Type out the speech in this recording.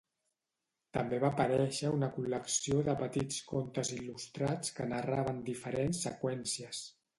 També va aparèixer una col·lecció de petits contes il·lustrats que narraven diferents seqüències.